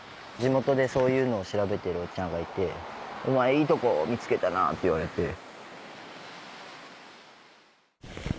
地元でそういうのを調べてるおっちゃんがいてお前いいとこ見つけたなって言われて。